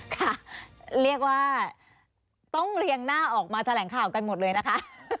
ค่ะเรียกว่าต้องเรียงหน้าออกมาแถลงข่าวกันหมดเลยนะคะ